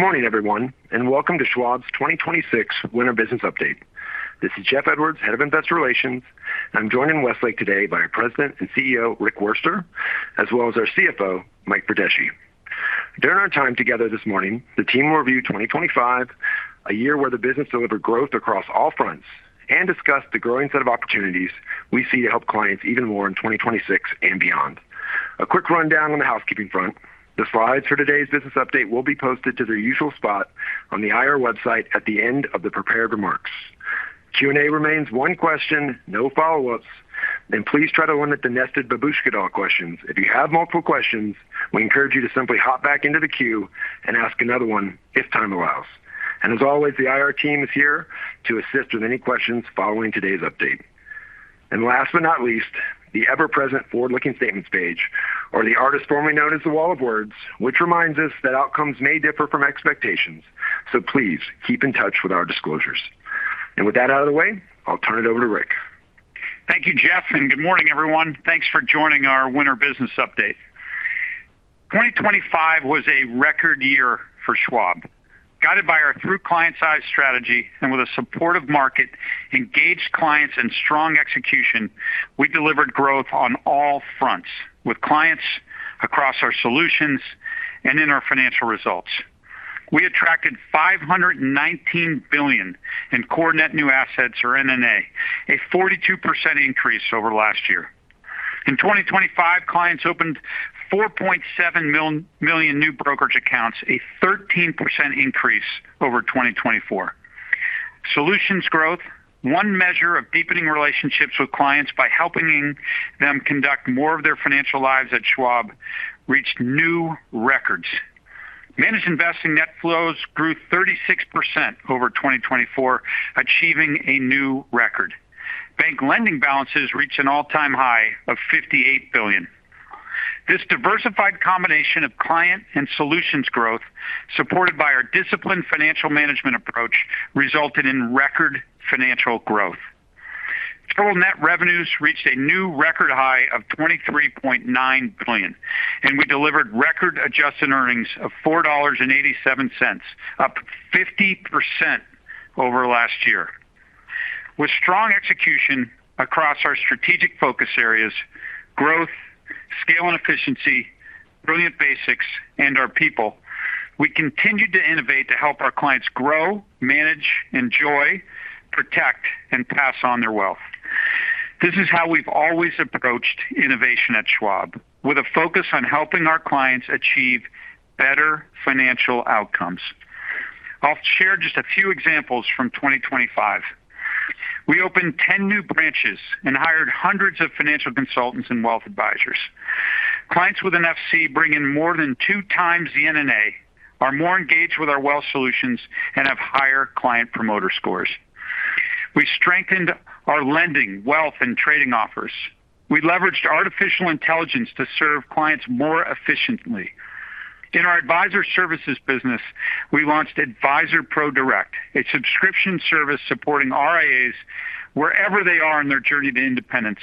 Good morning, everyone, and welcome to Schwab's 2026 Winter Business Update. This is Jeff Edwards, Head of Investor Relations, and I'm joined in Westlake today by our President and CEO, Rick Wurster, as well as our CFO, Mike Verdeschi. During our time together this morning, the team will review 2025, a year where the business delivered growth across all fronts, and discuss the growing set of opportunities we see to help clients even more in 2026 and beyond. A quick rundown on the housekeeping front: the slides for today's business update will be posted to their usual spot on the IR website at the end of the prepared remarks. Q&A remains one question, no follow-ups, and please try to limit the nested babushka doll questions. If you have multiple questions, we encourage you to simply hop back into the queue and ask another one if time allows. And as always, the IR team is here to assist with any questions following today's update. And last but not least, the ever-present forward-looking statements page, or the artist formerly known as the Wall of Words, which reminds us that outcomes may differ from expectations, so please keep in touch with our disclosures. And with that out of the way, I'll turn it over to Rick. Thank you, Jeff, and good morning, everyone. Thanks for joining our Winter Business Update. 2025 was a record year for Schwab. Guided by our Through Clients' Eyes strategy and with a supportive market, engaged clients, and strong execution, we delivered growth on all fronts with clients across our solutions and in our financial results. We attracted $519 billion in core net new assets, or NNA, a 42% increase over last year. In 2025, clients opened 4.7 million new brokerage accounts, a 13% increase over 2024. Solutions growth, one measure of deepening relationships with clients by helping them conduct more of their financial lives at Schwab, reached new records. Managed investing net flows grew 36%, over 2024, achieving a new record. Bank lending balances reached an all-time high of $58 billion. This diversified combination of client and solutions growth, supported by our disciplined financial management approach, resulted in record financial growth. Total net revenues reached a new record high of $23.9 billion, and we delivered record-adjusted earnings of $4.87, up 50% over last year. With strong execution across our strategic focus areas, growth, scale and efficiency, brilliant basics, and our people, we continue to innovate to help our clients grow, manage, enjoy, protect, and pass on their wealth. This is how we've always approached innovation at Schwab, with a focus on helping our clients achieve better financial outcomes. I'll share just a few examples from 2025. We opened 10 new branches and hired hundreds of financial consultants and wealth advisors. Clients with an FC bring in more than two times the NNA, are more engaged with our wealth solutions, and have higher Client Promoter Scores. We strengthened our lending, wealth, and trading offers. We leveraged artificial intelligence to serve clients more efficiently. In our Advisor Services business, we launched Advisor ProDirect, a subscription service supporting RIAs wherever they are in their journey to independence.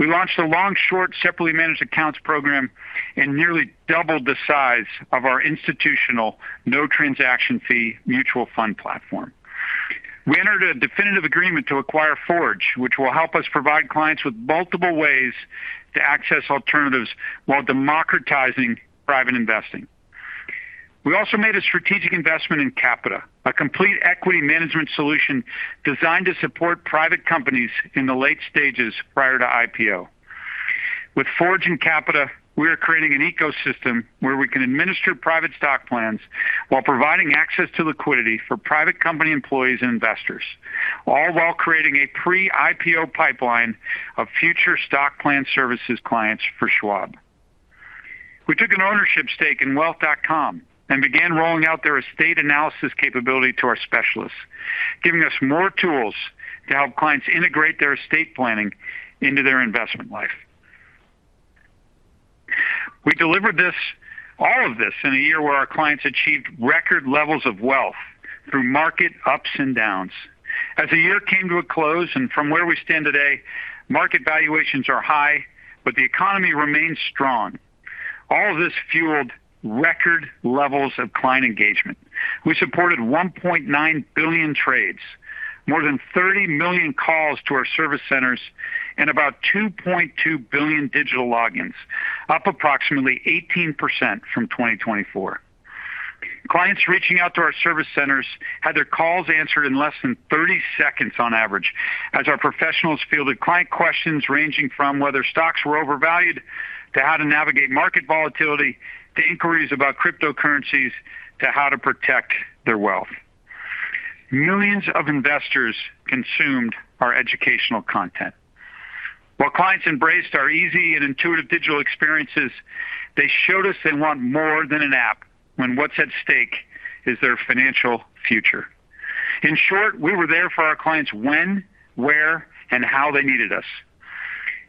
We launched a long-short separately managed accounts program and nearly doubled the size of our institutional no-transaction fee mutual fund platform. We entered a definitive agreement to acquire Forge, which will help us provide clients with multiple ways to access alternatives while democratizing private investing. We also made a strategic investment in Qapita, a complete equity management solution designed to support private companies in the late stages prior to IPO. With Forge and Qapita, we are creating an ecosystem where we can administer private stock plans while providing access to liquidity for private company employees and investors, all while creating a pre-IPO pipeline of future stock plan services clients for Schwab. We took an ownership stake in Wealth.com and began rolling out their estate analysis capability to our specialists, giving us more tools to help clients integrate their estate planning into their investment life. We delivered all of this in a year where our clients achieved record levels of wealth through market ups and downs. As the year came to a close and from where we stand today, market valuations are high, but the economy remains strong. All of this fueled record levels of client engagement. We supported 1.9 billion trades, more than 30 million calls to our service centers, and about 2.2 billion digital logins, up approximately 18% from 2024. Clients reaching out to our service centers had their calls answered in less than 30 seconds on average, as our professionals fielded client questions ranging from whether stocks were overvalued to how to navigate market volatility, to inquiries about cryptocurrencies, to how to protect their wealth. Millions of investors consumed our educational content. While clients embraced our easy and intuitive digital experiences, they showed us they want more than an app when what's at stake is their financial future. In short, we were there for our clients when, where, and how they needed us.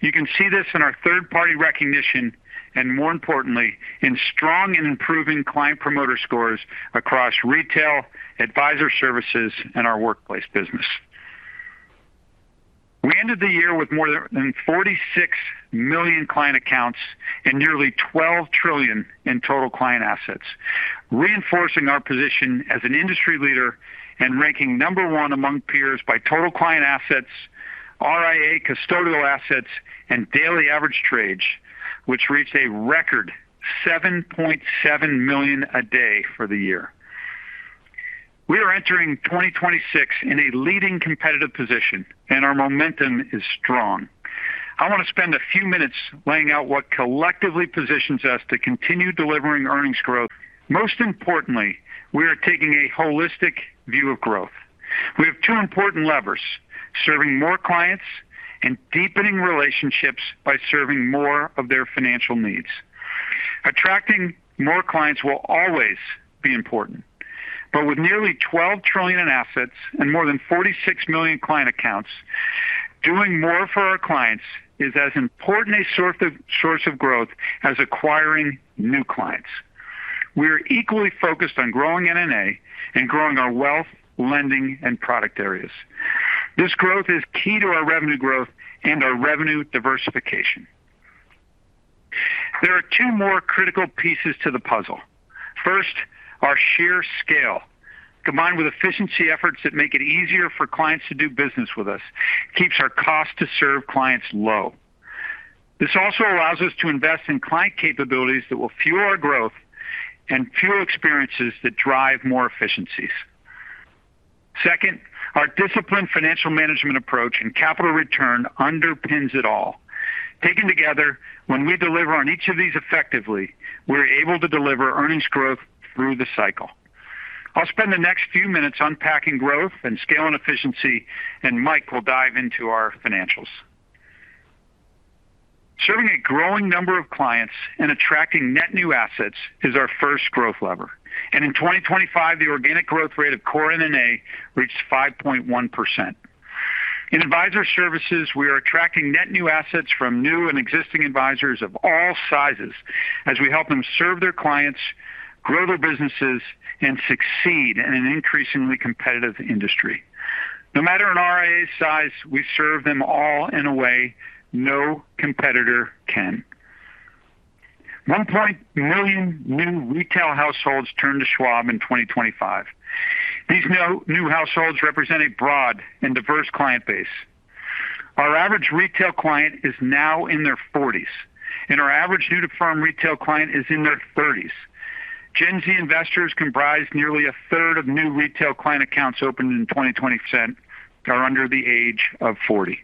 You can see this in our third-party recognition and, more importantly, in strong and improving client promoter scores across retail, Advisor Services, and our workplace business. We ended the year with more than 46 million client accounts and nearly $12 trillion in total client assets, reinforcing our position as an industry leader and ranking number one among peers by total client assets, RIA custodial assets, and daily average trades, which reached a record 7.7 million a day for the year. We are entering 2026 in a leading competitive position, and our momentum is strong. I want to spend a few minutes laying out what collectively positions us to continue delivering earnings growth. Most importantly, we are taking a holistic view of growth. We have two important levers: serving more clients and deepening relationships by serving more of their financial needs. Attracting more clients will always be important, but with nearly $12 trillion in assets and more than 46 million client accounts, doing more for our clients is as important a source of growth as acquiring new clients. We are equally focused on growing NNA and growing our wealth, lending, and product areas. This growth is key to our revenue growth and our revenue diversification. There are two more critical pieces to the puzzle. First, our sheer scale, combined with efficiency efforts that make it easier for clients to do business with us, keeps our cost to serve clients low. This also allows us to invest in client capabilities that will fuel our growth and fuel experiences that drive more efficiencies. Second, our disciplined financial management approach and capital return underpins it all. Taken together, when we deliver on each of these effectively, we're able to deliver earnings growth through the cycle. I'll spend the next few minutes unpacking growth and scale and efficiency, and Mike will dive into our financials. Serving a growing number of clients and attracting net new assets is our first growth lever. And in 2025, the organic growth rate of core NNA reached 5.1%. In Advisor Services, we are attracting net new assets from new and existing advisors of all sizes as we help them serve their clients, grow their businesses, and succeed in an increasingly competitive industry. No matter an RIA size, we serve them all in a way no competitor can. 1.1 million new retail households turned to Schwab in 2025. These new households represent a broad and diverse client base. Our average retail client is now in their 40s, and our average new-to-firm retail client is in their 30s. Gen Z investors comprise nearly a third of new retail client accounts opened in 2020. Are under the age of 40.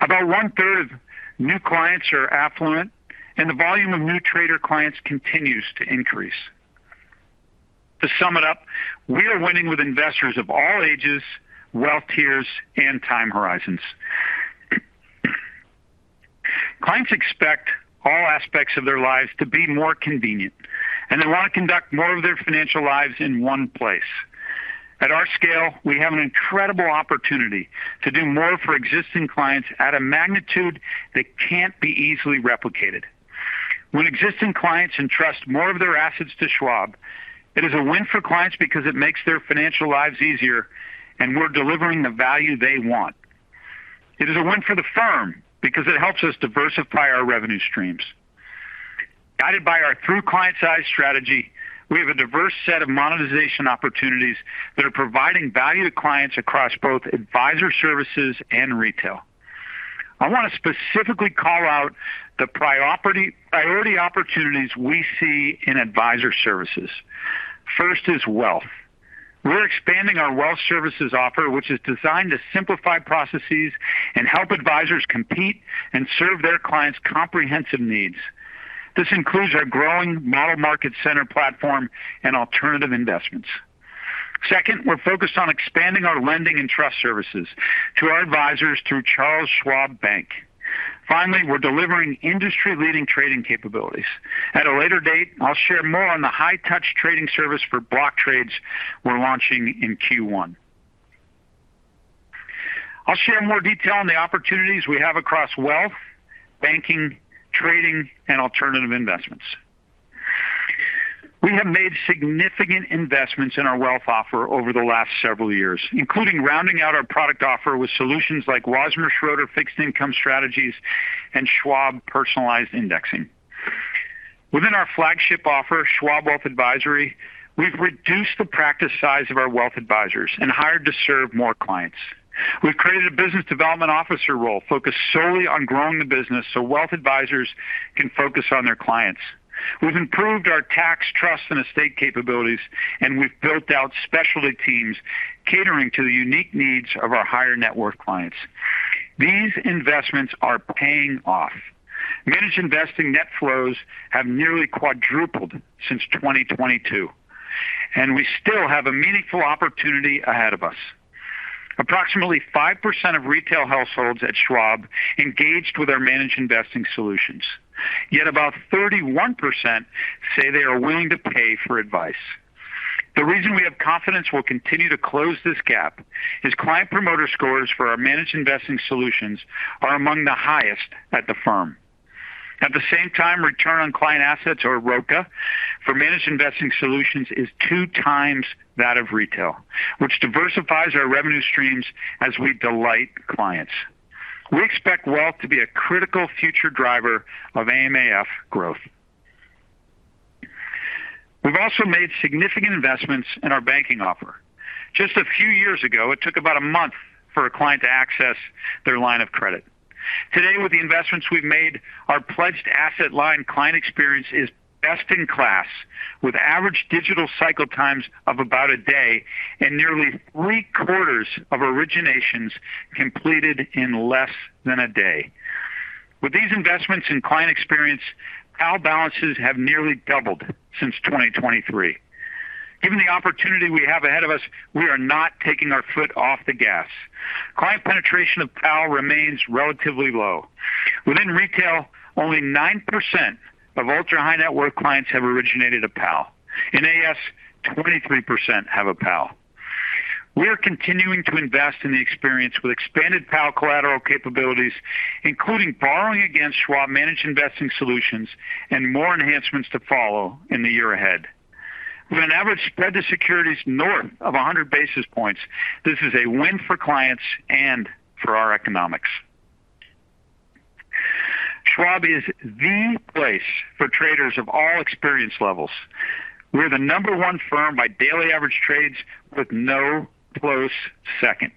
About one-third of new clients are affluent, and the volume of new trader clients continues to increase. To sum it up, we are winning with investors of all ages, wealth tiers, and time horizons. Clients expect all aspects of their lives to be more convenient, and they want to conduct more of their financial lives in one place. At our scale, we have an incredible opportunity to do more for existing clients at a magnitude that can't be easily replicated. When existing clients entrust more of their assets to Schwab, it is a win for clients because it makes their financial lives easier, and we're delivering the value they want. It is a win for the firm because it helps us diversify our revenue streams. Guided by our through-the-client lifecycle strategy, we have a diverse set of monetization opportunities that are providing value to clients across both Advisor Services and retail. I want to specifically call out the priority opportunities we see in Advisor Services. First is Wealth. We're expanding our Wealth services offer, which is designed to simplify processes and help advisors compete and serve their clients' comprehensive needs. This includes our growing Model Market Center platform and alternative investments. Second, we're focused on expanding our lending and trust services to our advisors through Charles Schwab Bank. Finally, we're delivering industry-leading trading capabilities. At a later date, I'll share more on the high-touch trading service for block trades we're launching in Q1. I'll share more detail on the opportunities we have across wealth, banking, trading, and alternative investments. We have made significant investments in our wealth offer over the last several years, including rounding out our product offer with solutions like Wasmer Schroeder fixed income strategies and Schwab Personalized Indexing. Within our flagship offer, Schwab Wealth Advisory, we've reduced the practice size of our wealth advisors and hired to serve more clients. We've created a business development officer role focused solely on growing the business so wealth advisors can focus on their clients. We've improved our tax, trust, and estate capabilities, and we've built out specialty teams catering to the unique needs of our higher net worth clients. These investments are paying off. Managed investing net flows have nearly quadrupled since 2022, and we still have a meaningful opportunity ahead of us. Approximately 5% of retail households at Schwab engaged with our managed investing solutions. Yet about 31% say they are willing to pay for advice. The reason we have confidence we'll continue to close this gap is client promoter scores for our managed investing solutions are among the highest at the firm. At the same time, Return On Client Assets, or ROCA, for managed investing solutions is two times that of retail, which diversifies our revenue streams as we delight clients. We expect Wealth to be a critical future driver of AMAF growth. We've also made significant investments in our banking offer. Just a few years ago, it took about a month for a client to access their line of credit. Today, with the investments we've made, our Pledged Asset Line client experience is best in class, with average digital cycle times of about a day and nearly three-quarters of originations completed in less than a day. With these investments in client experience, PAL balances have nearly doubled since 2023. Given the opportunity we have ahead of us, we are not taking our foot off the gas. Client penetration of PAL remains relatively low. Within retail, only 9% of ultra-high net worth clients have originated a PAL. In AS, 23% have a PAL. We are continuing to invest in the experience with expanded PAL collateral capabilities, including borrowing against Schwab managed investing solutions and more enhancements to follow in the year ahead. With an average spread to securities north of 100 basis points, this is a win for clients and for our economics. Schwab is the place for traders of all experience levels. We're the number one firm by daily average trades with no close second,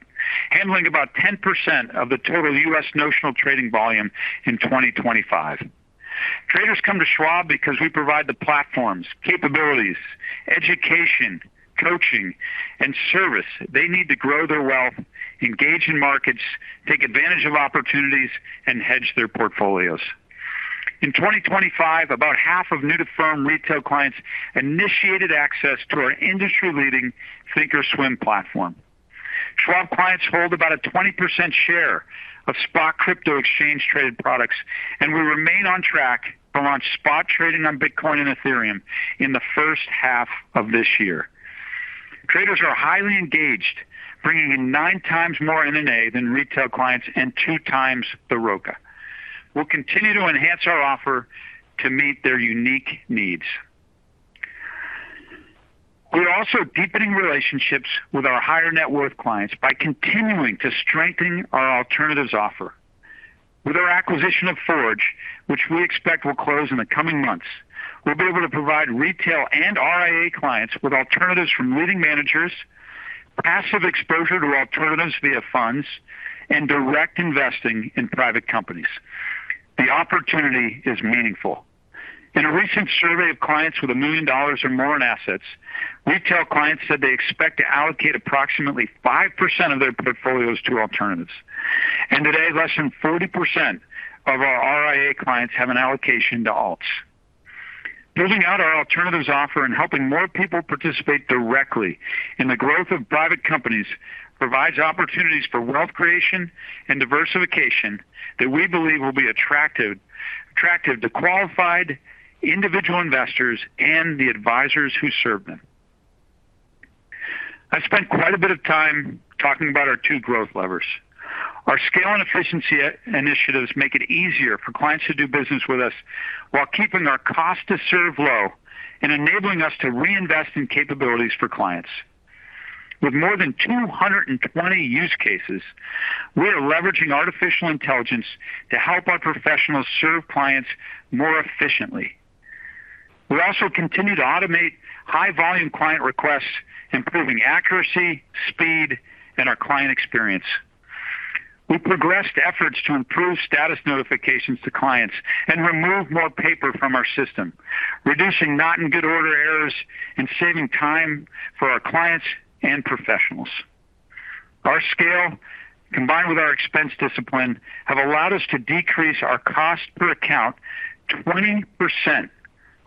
handling about 10% of the total U.S. notional trading volume in 2025. Traders come to Schwab because we provide the platforms, capabilities, education, coaching, and service they need to grow their wealth, engage in markets, take advantage of opportunities, and hedge their portfolios. In 2025, about half of new-to-firm retail clients initiated access to our industry-leading thinkorswim platform. Schwab clients hold about a 20% share of spot crypto exchange-traded products, and we remain on track to launch spot trading on Bitcoin and Ethereum in the first half of this year. Traders are highly engaged, bringing in nine times more NNA than retail clients and two times the ROCA. We'll continue to enhance our offer to meet their unique needs. We are also deepening relationships with our higher net worth clients by continuing to strengthen our alternatives offer. With our acquisition of Forge, which we expect will close in the coming months, we'll be able to provide retail and RIA clients with alternatives from leading managers, passive exposure to alternatives via funds, and direct investing in private companies. The opportunity is meaningful. In a recent survey of clients with a million dollars or more in assets, retail clients said they expect to allocate approximately 5% of their portfolios to alternatives, and today, less than 40% of our RIA clients have an allocation to alts. Building out our alternatives offer and helping more people participate directly in the growth of private companies provides opportunities for wealth creation and diversification that we believe will be attractive to qualified individual investors and the advisors who serve them. I spent quite a bit of time talking about our two growth levers. Our scale and efficiency initiatives make it easier for clients to do business with us while keeping our cost to serve low and enabling us to reinvest in capabilities for clients. With more than 220 use cases, we are leveraging artificial intelligence to help our professionals serve clients more efficiently. We also continue to automate high-volume client requests, improving accuracy, speed, and our client experience. We progressed efforts to improve status notifications to clients and remove more paper from our system, reducing not-in-good-order errors and saving time for our clients and professionals. Our scale, combined with our expense discipline, has allowed us to decrease our cost per account 20%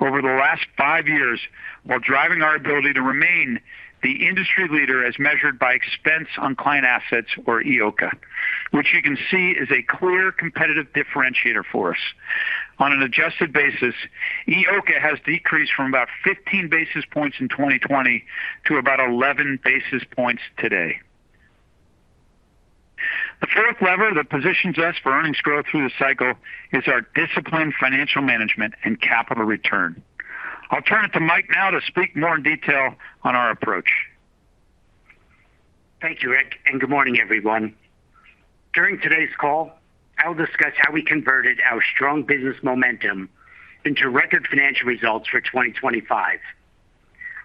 over the last five years while driving our ability to remain the industry leader as measured by expense on client assets, or EOCA, which you can see is a clear competitive differentiator for us. On an adjusted basis, EOCA has decreased from about 15 basis points in 2020 to about 11 basis points today. The fourth lever that positions us for earnings growth through the cycle is our disciplined financial management and capital return. I'll turn it to Mike now to speak more in detail on our approach. Thank you, Rick, and good morning, everyone. During today's call, I'll discuss how we converted our strong business momentum into record financial results for 2025.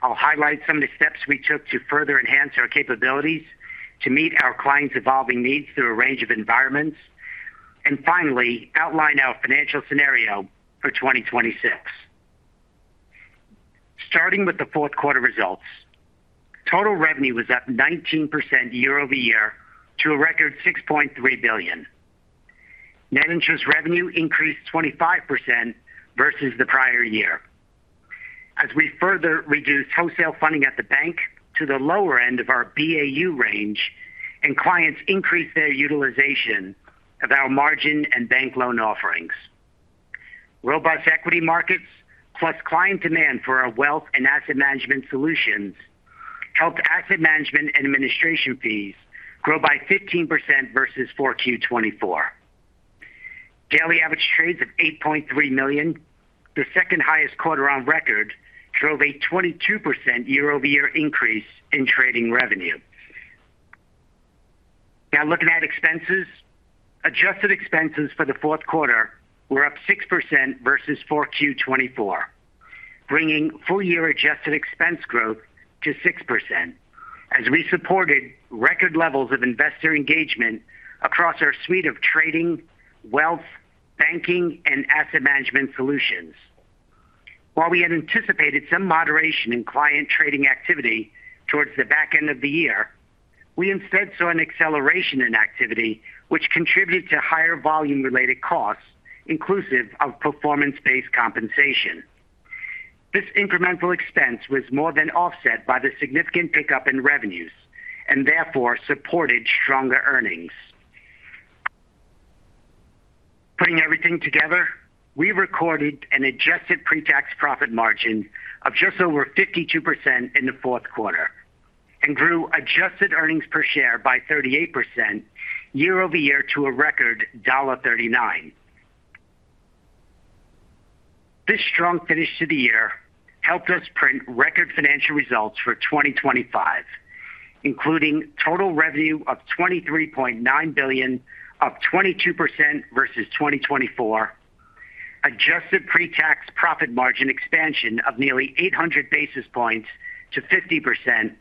I'll highlight some of the steps we took to further enhance our capabilities to meet our clients' evolving needs through a range of environments, and finally, outline our financial scenario for 2026. Starting with the fourth quarter results, total revenue was up 19% year-over-year to a record $6.3 billion. Net interest revenue increased 25% versus the prior year. As we further reduced wholesale funding at the bank to the lower end of our BAU range, clients increased their utilization of our margin and bank loan offerings. Robust equity markets plus client demand for our wealth and asset management solutions helped asset management and administration fees grow by 15% versus 4Q24. Daily average trades of 8.3 million, the second highest quarter on record, drove a 22% year-over-year increase in trading revenue. Now, looking at expenses, adjusted expenses for the fourth quarter were up 6% versus 4Q24, bringing full-year adjusted expense growth to 6% as we supported record levels of investor engagement across our suite of trading, wealth, banking, and asset management solutions. While we had anticipated some moderation in client trading activity towards the back end of the year, we instead saw an acceleration in activity, which contributed to higher volume-related costs, inclusive of performance-based compensation. This incremental expense was more than offset by the significant pickup in revenues and therefore supported stronger earnings. Putting everything together, we recorded an adjusted pre-tax profit margin of just over 52% in the fourth quarter and grew adjusted earnings per share by 38% year-over-year to a record $1.39. This strong finish to the year helped us print record financial results for 2025, including total revenue of $23.9 billion up 22% versus 2024, adjusted pre-tax profit margin expansion of nearly 800 basis points to 50%,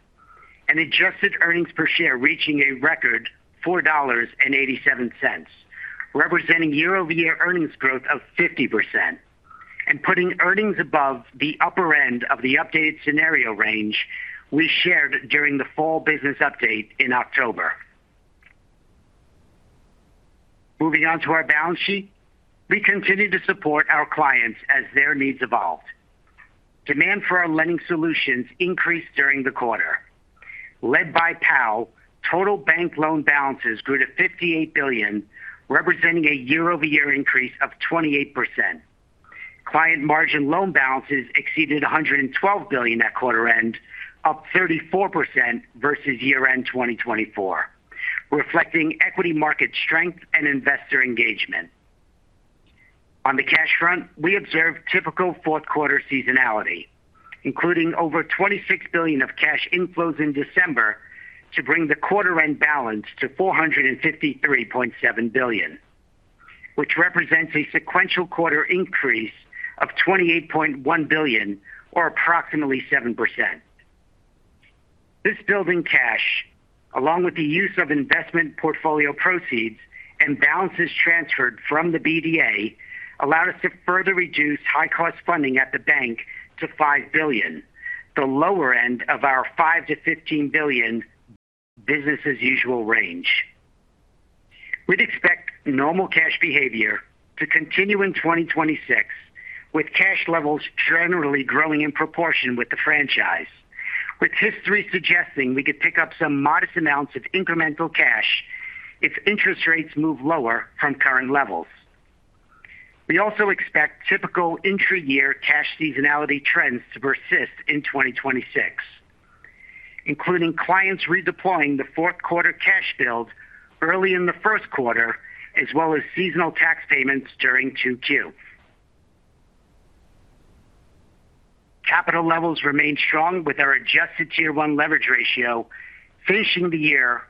and adjusted earnings per share reaching a record $4.87, representing year-over-year earnings growth of 50%, and putting earnings above the upper end of the updated scenario range we shared during the fall business update in October. Moving on to our balance sheet, we continue to support our clients as their needs evolved. Demand for our lending solutions increased during the quarter. Led by PAL, total bank loan balances grew to $58 billion, representing a year-over-year increase of 28%. Client margin loan balances exceeded $112 billion at quarter-end, up 34% versus year-end 2024, reflecting equity market strength and investor engagement. On the cash front, we observed typical fourth-quarter seasonality, including over $26 billion of cash inflows in December to bring the quarter-end balance to $453.7 billion, which represents a sequential quarter increase of $28.1 billion, or approximately 7%. This building cash, along with the use of investment portfolio proceeds and balances transferred from the BDA, allowed us to further reduce high-cost funding at the bank to $5 billion, the lower end of our $5 billion-$15 billion business-as-usual range. We'd expect normal cash behavior to continue in 2026, with cash levels generally growing in proportion with the franchise, with history suggesting we could pick up some modest amounts of incremental cash if interest rates move lower from current levels. We also expect typical intra-year cash seasonality trends to persist in 2026, including clients redeploying the fourth-quarter cash build early in the first quarter, as well as seasonal tax payments during 2Q. Capital levels remain strong with our adjusted Tier 1 leverage ratio, finishing the year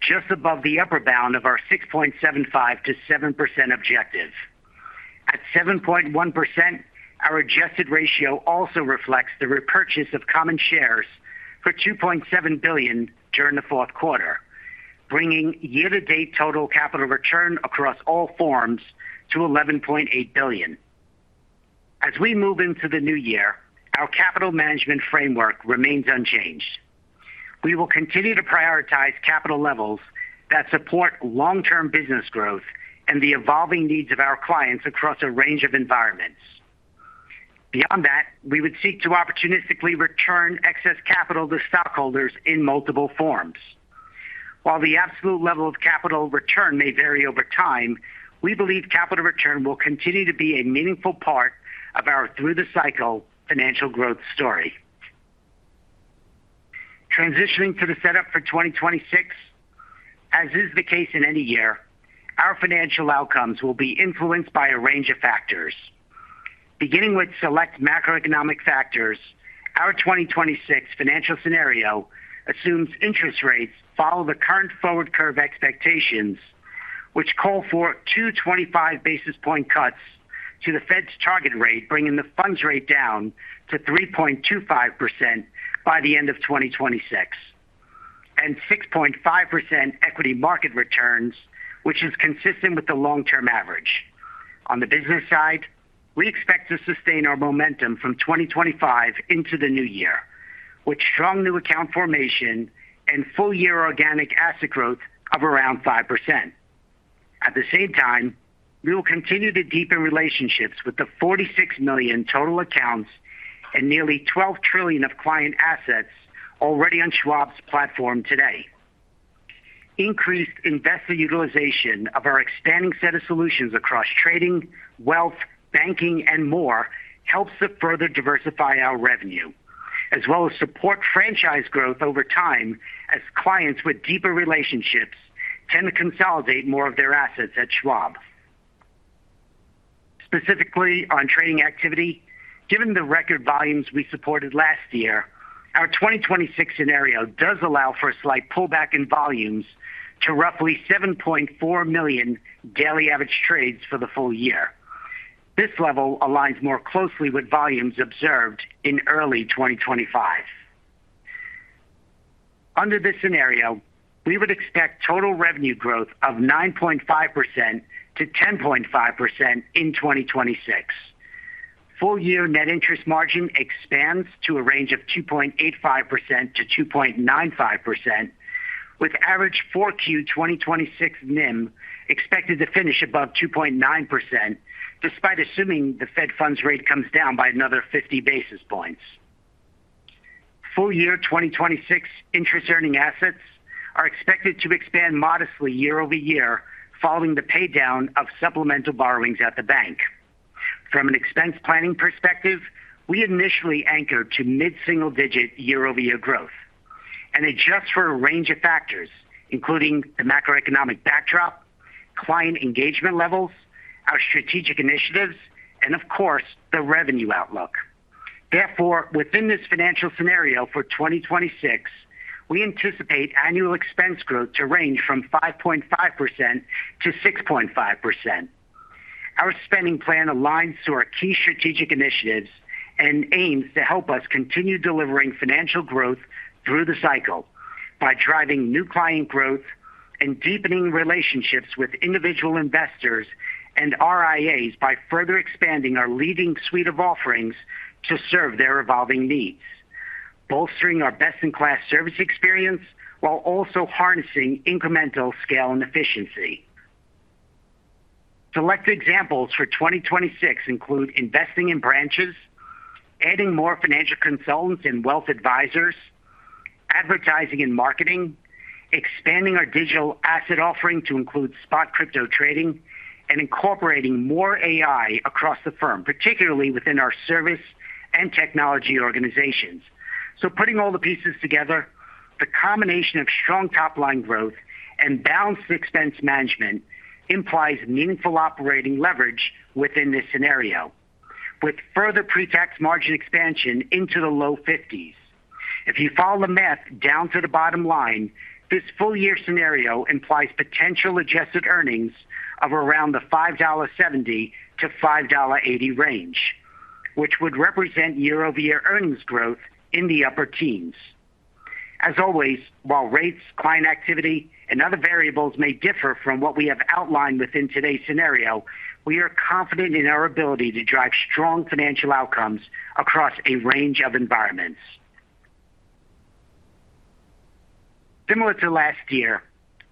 just above the upper bound of our 6.75%-7% objective. At 7.1%, our adjusted ratio also reflects the repurchase of common shares for $2.7 billion during the fourth quarter, bringing year-to-date total capital return across all forms to $11.8 billion. As we move into the new year, our capital management framework remains unchanged. We will continue to prioritize capital levels that support long-term business growth and the evolving needs of our clients across a range of environments. Beyond that, we would seek to opportunistically return excess capital to stockholders in multiple forms. While the absolute level of capital return may vary over time, we believe capital return will continue to be a meaningful part of our through-the-cycle financial growth story. Transitioning to the setup for 2026, as is the case in any year, our financial outcomes will be influenced by a range of factors. Beginning with select macroeconomic factors, our 2026 financial scenario assumes interest rates follow the current forward curve expectations, which call for 225 basis point cuts to the Fed's target rate, bringing the funds rate down to 3.25% by the end of 2026, and 6.5% equity market returns, which is consistent with the long-term average. On the business side, we expect to sustain our momentum from 2025 into the new year, with strong new account formation and full-year organic asset growth of around 5%. At the same time, we will continue to deepen relationships with the 46 million total accounts and nearly $12 trillion of client assets already on Schwab's platform today. Increased investor utilization of our expanding set of solutions across trading, wealth, banking, and more helps to further diversify our revenue, as well as support franchise growth over time as clients with deeper relationships tend to consolidate more of their assets at Schwab. Specifically on trading activity, given the record volumes we supported last year, our 2026 scenario does allow for a slight pullback in volumes to roughly 7.4 million daily average trades for the full year. This level aligns more closely with volumes observed in early 2025. Under this scenario, we would expect total revenue growth of 9.5%-10.5% in 2026. Full-year net interest margin expands to a range of 2.85%-2.95%, with average 4Q2026 NIM expected to finish above 2.9%, despite assuming the Fed funds rate comes down by another 50 basis points. Full-year 2026 interest-earning assets are expected to expand modestly year-over-year following the paydown of supplemental borrowings at the bank. From an expense planning perspective, we initially anchored to mid-single-digit year-over-year growth, and adjusted for a range of factors, including the macroeconomic backdrop, client engagement levels, our strategic initiatives, and of course, the revenue outlook. Therefore, within this financial scenario for 2026, we anticipate annual expense growth to range from 5.5%-6.5%. Our spending plan aligns to our key strategic initiatives and aims to help us continue delivering financial growth through the cycle by driving new client growth and deepening relationships with individual investors and RIAs by further expanding our leading suite of offerings to serve their evolving needs, bolstering our best-in-class service experience while also harnessing incremental scale and efficiency. Selected examples for 2026 include investing in branches, adding more financial consultants and wealth advisors, advertising and marketing, expanding our digital asset offering to include spot crypto trading, and incorporating more AI across the firm, particularly within our service and technology organizations. Putting all the pieces together, the combination of strong top-line growth and balanced expense management implies meaningful operating leverage within this scenario, with further pre-tax margin expansion into the low 50s. If you follow the math down to the bottom line, this full-year scenario implies potential adjusted earnings of around the $5.70-$5.80 range, which would represent year-over-year earnings growth in the upper teens. As always, while rates, client activity, and other variables may differ from what we have outlined within today's scenario, we are confident in our ability to drive strong financial outcomes across a range of environments. Similar to last year,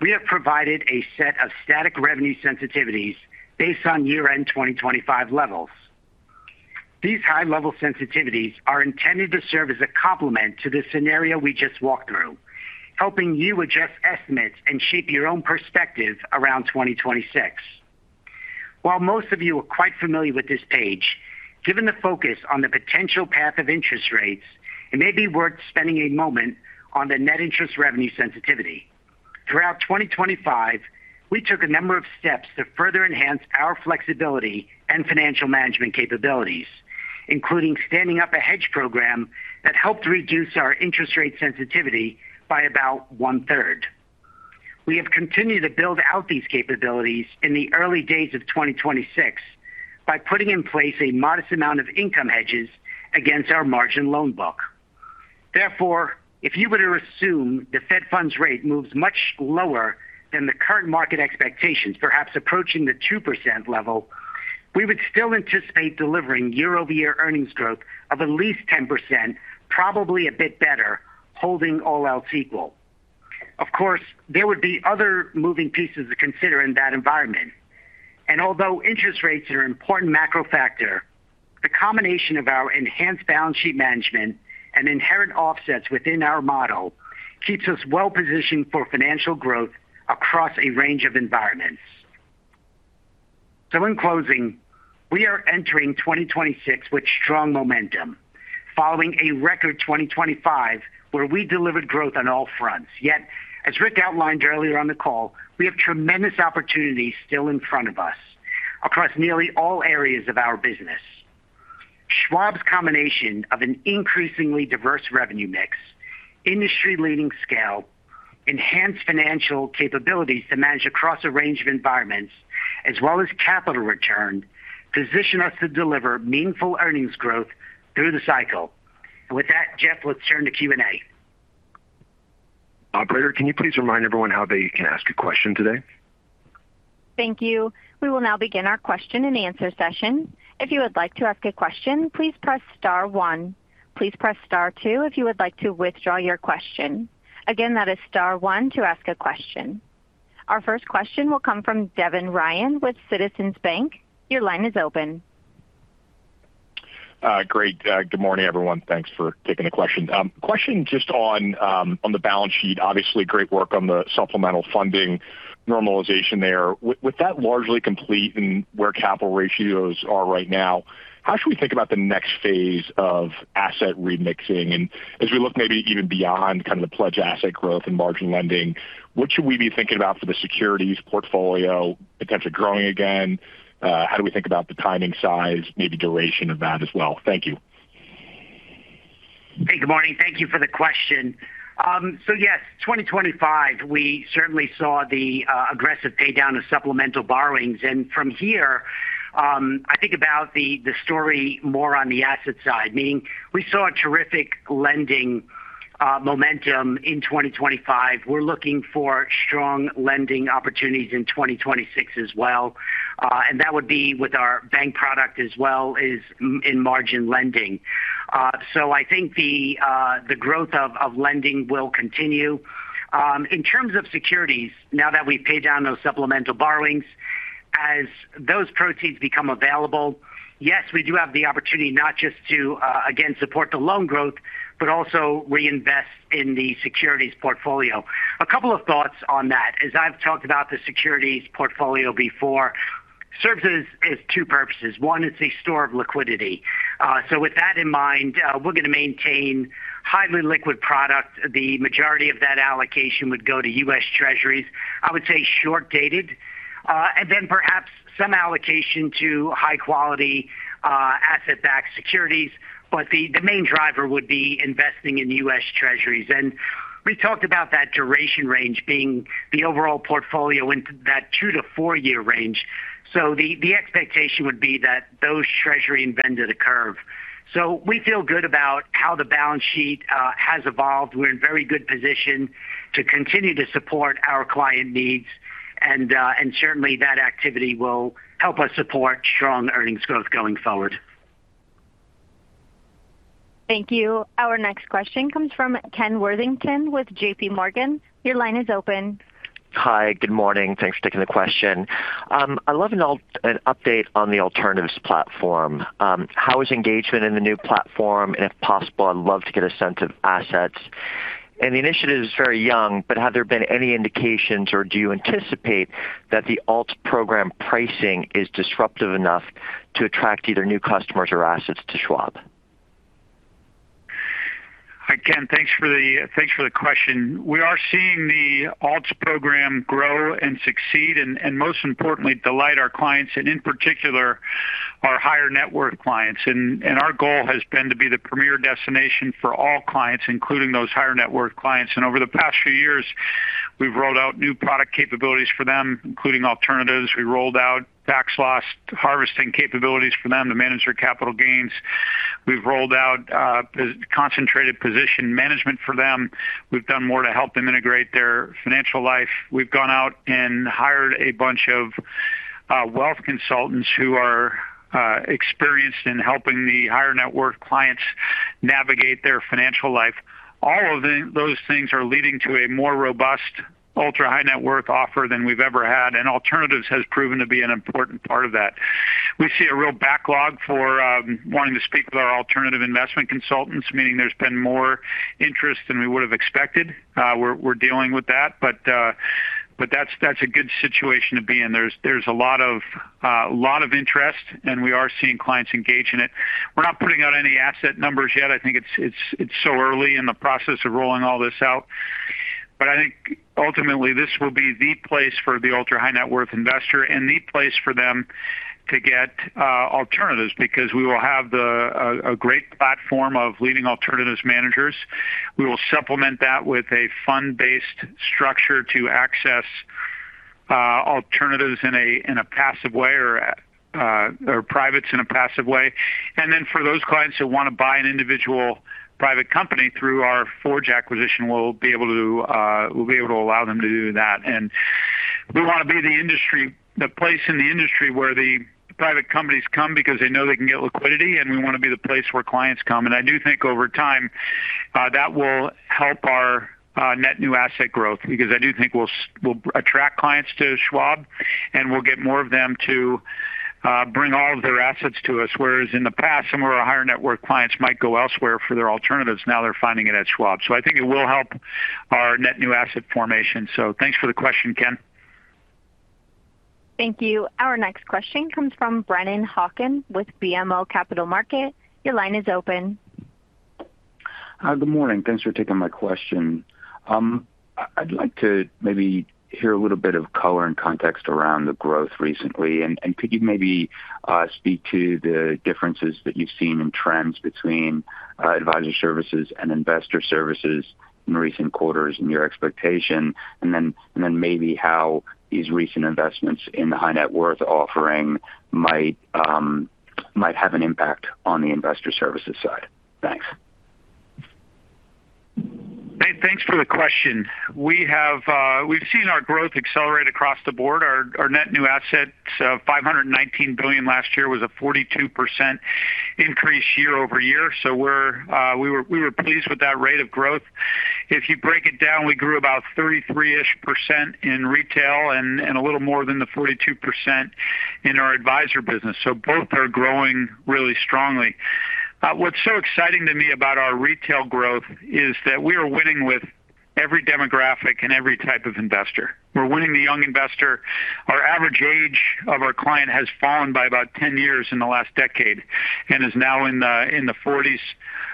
we have provided a set of static revenue sensitivities based on year-end 2025 levels. These high-level sensitivities are intended to serve as a complement to the scenario we just walked through, helping you adjust estimates and shape your own perspective around 2026. While most of you are quite familiar with this page, given the focus on the potential path of interest rates, it may be worth spending a moment on the net interest revenue sensitivity. Throughout 2025, we took a number of steps to further enhance our flexibility and financial management capabilities, including standing up a hedge program that helped reduce our interest rate sensitivity by about one-third. We have continued to build out these capabilities in the early days of 2026 by putting in place a modest amount of income hedges against our margin loan book. Therefore, if you were to assume the Fed funds rate moves much lower than the current market expectations, perhaps approaching the 2% level, we would still anticipate delivering year-over-year earnings growth of at least 10%, probably a bit better, holding all else equal. Of course, there would be other moving pieces to consider in that environment. And although interest rates are an important macro factor, the combination of our enhanced balance sheet management and inherent offsets within our model keeps us well-positioned for financial growth across a range of environments. So in closing, we are entering 2026 with strong momentum, following a record 2025 where we delivered growth on all fronts. Yet, as Rick outlined earlier on the call, we have tremendous opportunities still in front of us across nearly all areas of our business. Schwab's combination of an increasingly diverse revenue mix, industry-leading scale, enhanced financial capabilities to manage across a range of environments, as well as capital return, positions us to deliver meaningful earnings growth through the cycle. And with that, Jeff, let's turn to Q&A. Operator, can you please remind everyone how they can ask a question today? Thank you. We will now begin our question-and-answer session. If you would like to ask a question, please press star one. Please press star two if you would like to withdraw your question. Again, that is star one to ask a question. Our first question will come from Devin Ryan with Citizens Bank. Your line is open. Great. Good morning, everyone. Thanks for taking the question. Question just on the balance sheet, obviously great work on the supplemental funding normalization there. With that largely complete and where capital ratios are right now, how should we think about the next phase of asset remixing? And as we look maybe even beyond kind of the pledged asset growth and margin lending, what should we be thinking about for the securities portfolio potentially growing again? How do we think about the timing size, maybe duration of that as well? Thank you. Hey, good morning. Thank you for the question. Yes, in 2025 we certainly saw the aggressive paydown of supplemental borrowings. From here, I think about the story more on the asset side, meaning we saw a terrific lending momentum in 2025. We're looking for strong lending opportunities in 2026 as well. That would be with our bank product as well as in margin lending. I think the growth of lending will continue. In terms of securities, now that we've paid down those supplemental borrowings, as those proceeds become available, yes, we do have the opportunity not just to, again, support the loan growth, but also reinvest in the securities portfolio. A couple of thoughts on that. As I've talked about the securities portfolio before, it serves as two purposes. One, it's a store of liquidity. With that in mind, we're going to maintain highly liquid product. The majority of that allocation would go to U.S. Treasuries. I would say short-dated, and then perhaps some allocation to high-quality asset-backed securities. But the main driver would be investing in U.S. Treasuries. And we talked about that duration range being the overall portfolio in that two to four-year range. So the expectation would be that those Treasuries inverted the curve. So we feel good about how the balance sheet has evolved. We're in very good position to continue to support our client needs. And certainly, that activity will help us support strong earnings growth going forward. Thank you. Our next question comes from Ken Worthington with JPMorgan. Your line is open. Hi, good morning. Thanks for taking the question. I'd love an update on the alternatives platform. How is engagement in the new platform? And if possible, I'd love to get a sense of assets. The initiative is very young, but have there been any indications, or do you anticipate that the alt program pricing is disruptive enough to attract either new customers or assets to Schwab? Again, thanks for the question. We are seeing the Alts program grow and succeed, and most importantly, delight our clients, and in particular, our higher-net-worth clients. Our goal has been to be the premier destination for all clients, including those higher-net-worth clients. Over the past few years, we've rolled out new product capabilities for them, including alternatives. We rolled out tax loss harvesting capabilities for them to manage their capital gains. We've rolled out concentrated position management for them. We've done more to help them integrate their financial life. We've gone out and hired a bunch of wealth consultants who are experienced in helping the higher-net-worth clients navigate their financial life. All of those things are leading to a more robust, ultra-high-net-worth offer than we've ever had. And alternatives has proven to be an important part of that. We see a real backlog for wanting to speak with our alternative investment consultants, meaning there's been more interest than we would have expected. We're dealing with that, but that's a good situation to be in. There's a lot of interest, and we are seeing clients engage in it. We're not putting out any asset numbers yet. I think it's so early in the process of rolling all this out. But I think ultimately, this will be the place for the ultra-high-net-worth investor and the place for them to get alternatives because we will have a great platform of leading alternatives managers. We will supplement that with a fund-based structure to access alternatives in a passive way or privates in a passive way. And then for those clients who want to buy an individual private company through our Forge acquisition, we'll be able to allow them to do that. And we want to be the industry, the place in the industry where the private companies come because they know they can get liquidity, and we want to be the place where clients come. And I do think over time, that will help our net new asset growth because I do think we'll attract clients to Schwab, and we'll get more of them to bring all of their assets to us. Whereas in the past, some of our higher-net-worth clients might go elsewhere for their alternatives. Now they're finding it at Schwab. So I think it will help our net new asset formation. So thanks for the question, Ken. Thank you. Our next question comes from Brennan Hawken with BMO Capital Markets. Your line is open. Hi, good morning. Thanks for taking my question. I'd like to maybe hear a little bit of color and context around the growth recently. And could you maybe speak to the differences that you've seen in trends between Advisor Services and Investor Services in recent quarters and your expectation, and then maybe how these recent investments in the high-net-worth offering might have an impact on the Investor Services side? Thanks. Thanks for the question. We've seen our growth accelerate across the board. Our net new assets of $519 billion last year was a 42% increase year-over-year. So we were pleased with that rate of growth. If you break it down, we grew about 33%-ish in retail and a little more than the 42% in our advisor business. So both are growing really strongly. What's so exciting to me about our retail growth is that we are winning with every demographic and every type of investor. We're winning the young investor. Our average age of our client has fallen by about 10 years in the last decade and is now in the 40s.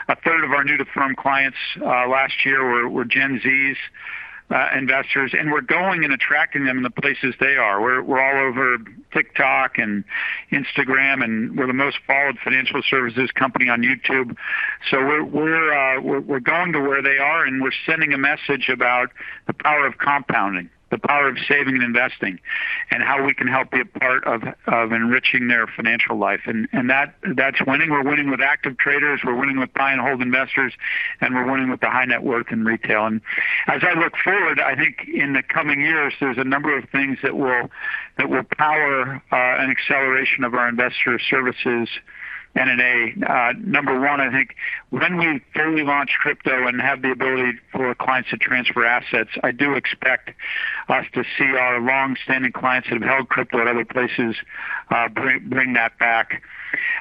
A third of our new-to-firm clients last year were Gen Z investors. And we're going and attracting them in the places they are. We're all over TikTok and Instagram, and we're the most followed financial services company on YouTube. So we're going to where they are, and we're sending a message about the power of compounding, the power of saving and investing, and how we can help be a part of enriching their financial life. And that's winning. We're winning with active traders. We're winning with buy-and-hold investors, and we're winning with the high-net-worth in retail. As I look forward, I think in the coming years, there's a number of things that will power an acceleration of our Investor Services and NNA. Number one, I think when we fully launch crypto and have the ability for clients to transfer assets, I do expect us to see our long-standing clients that have held crypto at other places bring that back.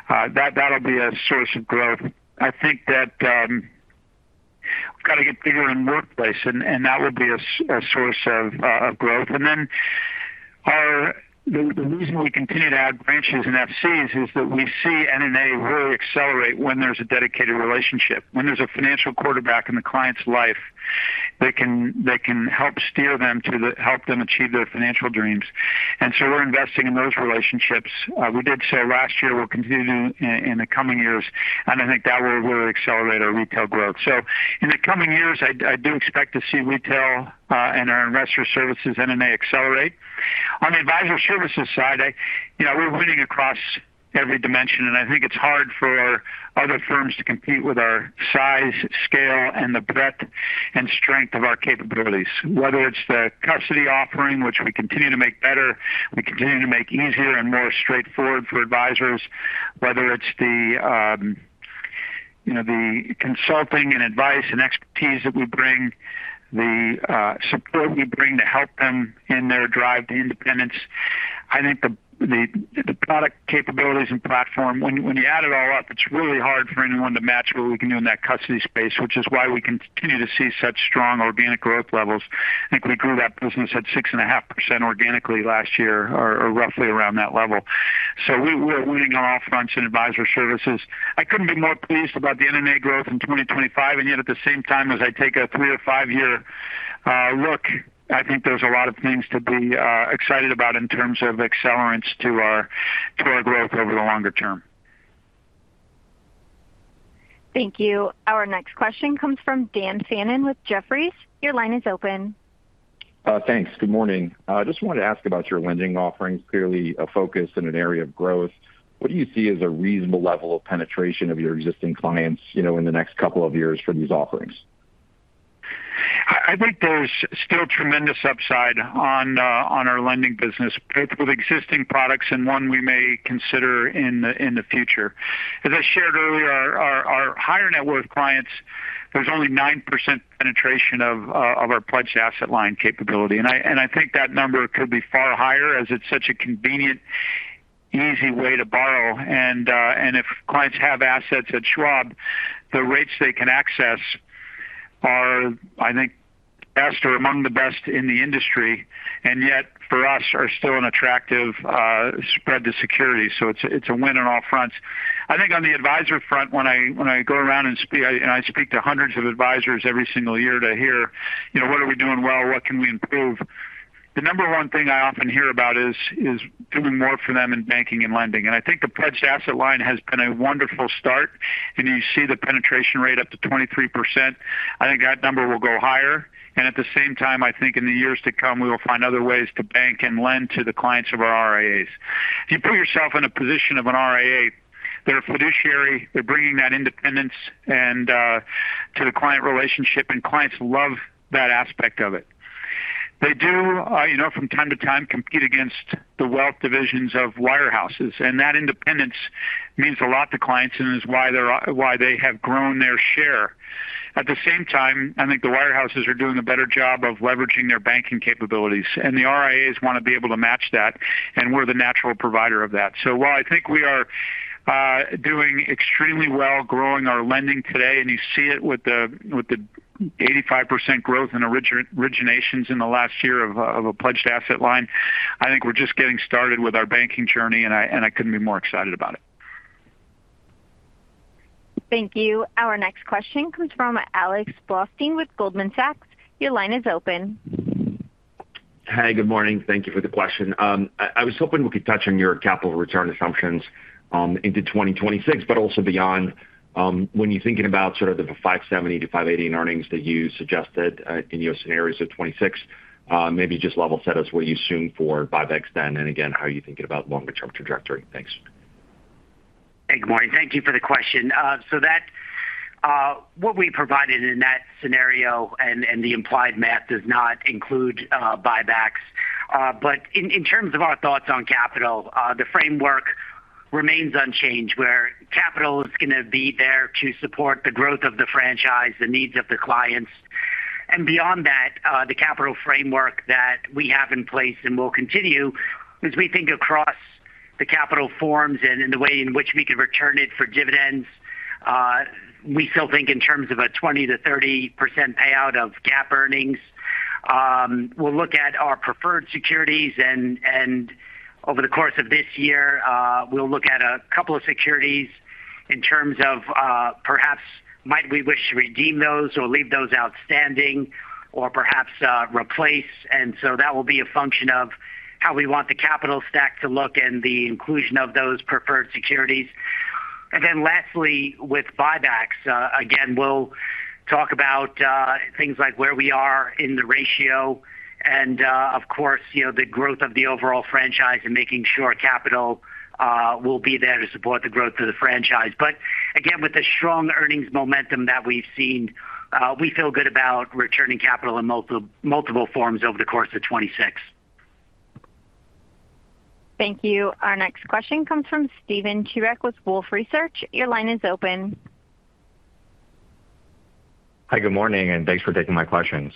That'll be a source of growth. I think that we've got to get bigger in the workplace, and that will be a source of growth. Then the reason we continue to add branches and FCs is that we see NNA really accelerate when there's a dedicated relationship, when there's a financial quarterback in the client's life that can help steer them to help them achieve their financial dreams. So we're investing in those relationships. We did so last year. We'll continue to do in the coming years. And I think that will really accelerate our retail growth. So in the coming years, I do expect to see retail and our Investor Services NNA accelerate. On the Advisor Services side, we're winning across every dimension. And I think it's hard for other firms to compete with our size, scale, and the breadth and strength of our capabilities, whether it's the custody offering, which we continue to make better. We continue to make easier and more straightforward for advisors, whether it's the consulting and advice and expertise that we bring, the support we bring to help them in their drive to independence. I think the product capabilities and platform, when you add it all up, it's really hard for anyone to match what we can do in that custody space, which is why we continue to see such strong organic growth levels. I think we grew that business at 6.5% organically last year or roughly around that level. So we're winning on all fronts in Advisor Services. I couldn't be more pleased about the NNA growth in 2025. And yet, at the same time, as I take a three or five-year look, I think there's a lot of things to be excited about in terms of accelerants to our growth over the longer term. Thank you. Our next question comes from Dan Fannon with Jefferies. Your line is open. Thanks. Good morning. I just wanted to ask about your lending offerings, clearly a focus in an area of growth. What do you see as a reasonable level of penetration of your existing clients in the next couple of years for these offerings? I think there's still tremendous upside on our lending business, both with existing products and one we may consider in the future. As I shared earlier, our higher-net-worth clients, there's only 9% penetration of our Pledged Asset Line capability. And I think that number could be far higher as it's such a convenient, easy way to borrow. And if clients have assets at Schwab, the rates they can access are, I think, best or among the best in the industry. And yet, for us, are still an attractive spread to security. So it's a win on all fronts. I think on the advisor front, when I go around and speak, and I speak to hundreds of advisors every single year to hear, what are we doing well? What can we improve? The number one thing I often hear about is doing more for them in banking and lending, and I think the Pledged Asset Line has been a wonderful start. You see the penetration rate up to 23%. I think that number will go higher. At the same time, I think in the years to come, we will find other ways to bank and lend to the clients of our RIAs. If you put yourself in a position of an RIA, they're a fiduciary. They're bringing that independence to the client relationship, and clients love that aspect of it. They do, from time to time, compete against the wealth divisions of wirehouses. That independence means a lot to clients and is why they have grown their share. At the same time, I think the wirehouses are doing a better job of leveraging their banking capabilities, and the RIAs want to be able to match that, and we're the natural provider of that, so while I think we are doing extremely well growing our lending today, and you see it with the 85% growth in originations in the last year of a Pledged Asset Line, I think we're just getting started with our banking journey, and I couldn't be more excited about it. Thank you. Our next question comes from Alex Blostein with Goldman Sachs. Your line is open. Hi, good morning. Thank you for the question. I was hoping we could touch on your capital return assumptions into 2026, but also beyond. When you're thinking about sort of the $570-$580 earnings that you suggested in your scenarios of 2026, maybe just level set us where you assume for buybacks then and, again, how you're thinking about longer-term trajectory. Thanks. Hey, good morning. Thank you for the question. So what we provided in that scenario and the implied math does not include buybacks. But in terms of our thoughts on capital, the framework remains unchanged, where capital is going to be there to support the growth of the franchise, the needs of the clients. And beyond that, the capital framework that we have in place and will continue as we think across the capital forms and the way in which we can return it for dividends. We still think in terms of a 20%-30% payout of GAAP earnings. We'll look at our preferred securities. And over the course of this year, we'll look at a couple of securities in terms of perhaps might we wish to redeem those or leave those outstanding or perhaps replace. And so that will be a function of how we want the capital stack to look and the inclusion of those preferred securities. And then lastly, with buybacks, again, we'll talk about things like where we are in the ratio and, of course, the growth of the overall franchise and making sure capital will be there to support the growth of the franchise. But again, with the strong earnings momentum that we've seen, we feel good about returning capital in multiple forms over the course of 2026. Thank you. Our next question comes from Stephen Chubak with Wolfe Research. Your line is open. Hi, good morning, and thanks for taking my questions.